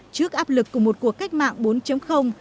trước áp lực của một cuộc cách mạng bốn